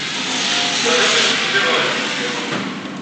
Terra timceḍt-nni ɣer yikejjir.